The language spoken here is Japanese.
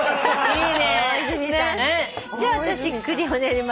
いいね。